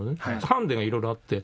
ハンデがいろいろあって。